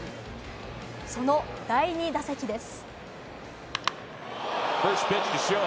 その第２打席です。